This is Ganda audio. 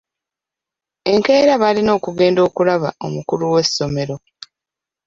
Enkeera baalina okugenda okulaba omukulu w'essomero.